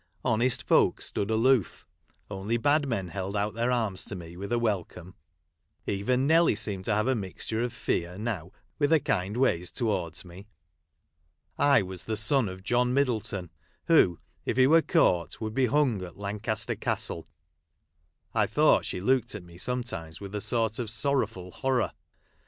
Honest folk stood aloof ; only bad men held out their arms to me with a welcome. Even Nelly seemed to have a mixture of fear now with her kind ways towards me. I was the son of John Middleton, who, if he were caught, Avould be hung at Lancaster Castle. I thought she looked at me sometimes with a sort ol sorrowful horror.